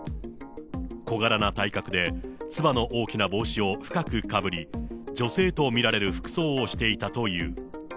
小柄な体格で、つばの大きな帽子を深くかぶり、女性と見られる服装をしていたという。